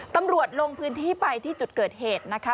ตำรวจลงพื้นที่ไปที่จุดเกิดเหตุนะคะ